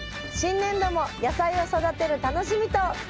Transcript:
新年度も野菜を育てる楽しみと。